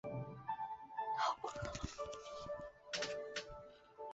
卢鲁德布布勒人口变化图示